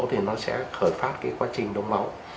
thì nó sẽ khởi phát cái quá trình đống máu